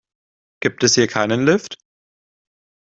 Gibt es hier keinen Lift?